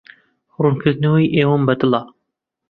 ڕوونکردنەوەی ئێوەم بەدڵە.